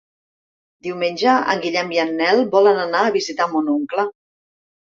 Diumenge en Guillem i en Nel volen anar a visitar mon oncle.